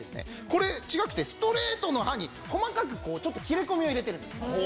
これ違くてストレートの刃に細かく切れ込みを入れてるんです。